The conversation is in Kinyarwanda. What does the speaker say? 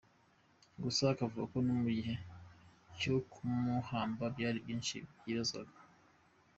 Gusa akavuga ko no mu gihe cyo kumuhamba hari byinshi byibazwaga.